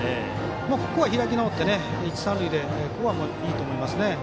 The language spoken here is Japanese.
ここは開き直って一、三塁でいいと思います。